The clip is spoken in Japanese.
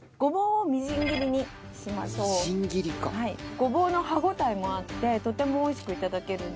ごぼうの歯応えもあってとても美味しく頂けるんです。